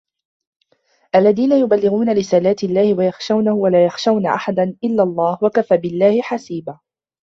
الَّذِينَ يُبَلِّغُونَ رِسَالَاتِ اللَّهِ وَيَخْشَوْنَهُ وَلَا يَخْشَوْنَ أَحَدًا إِلَّا اللَّهَ وَكَفَى بِاللَّهِ حَسِيبًا